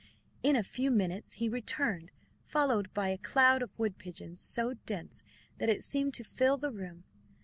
In a few minutes he returned, followed by a cloud of wood pigeons, so dense that it seemed to fill the room.